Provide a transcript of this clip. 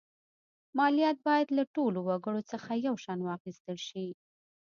مالیات باید له ټولو وګړو څخه یو شان واخیستل شي.